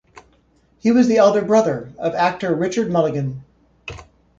He was the elder brother of actor Richard Mulligan.